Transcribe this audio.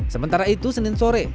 sementara itu senin sore